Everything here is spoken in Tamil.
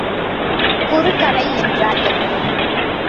குறுக்கலை என்றால் என்ன?